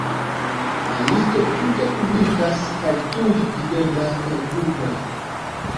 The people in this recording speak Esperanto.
La listo tute publikas, kaj tuj videblas per Google.